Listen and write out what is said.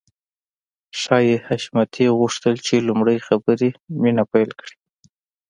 ښايي حشمتي غوښتل چې لومړی خبرې مينه پيل کړي.